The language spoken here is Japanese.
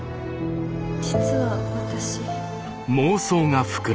実は私。